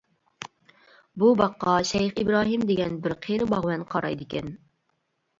بۇ باغقا شەيخ ئىبراھىم دېگەن بىر قېرى باغۋەن قارايدىكەن.